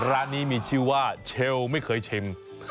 ร้านนี้มีชื่อว่าเชลไม่เคยชิม